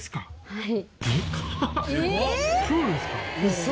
はい。